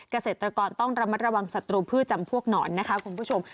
เกษตรกรต้องระมัดระวังศัตรูพืชจำพวกหนอนนะคะคุณผู้ชม